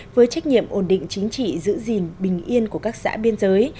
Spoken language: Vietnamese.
với trách nhiệm ổn định chính trị giữ gìn bình yên của các xã biên giới